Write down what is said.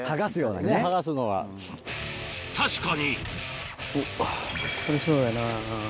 確かにこれそうやな。